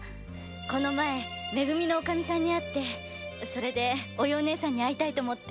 この前め組のおかみさんに会ってお葉姉さんに会いたいと思って。